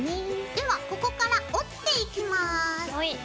ではここから折っていきます。